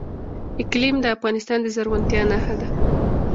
اقلیم د افغانستان د زرغونتیا نښه ده.